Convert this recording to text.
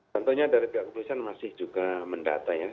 tentunya dari pihak kepolisian masih juga mendata ya